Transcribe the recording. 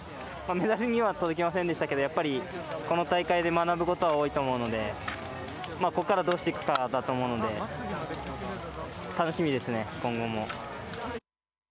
メダルには届きませんでしたけど、やっぱりこの大会で学ぶことは多いと思うのでここからどうしていくかだと思うので楽しみですね今後も。